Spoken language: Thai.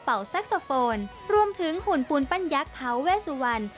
เป่าแซคโซโฟนรวมถึงหุ่นปูนปั้นยักษ์เท้าเวสวัน